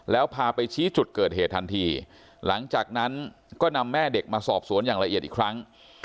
แล้วพาไปชี้จุดเกิดเหตุทันทีหลังจากนั้นก็นำแม่เด็กมาสอบสวนอย่างละเอียดอีกครั้ง